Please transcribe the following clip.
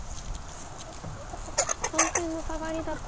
３線のサガリだと。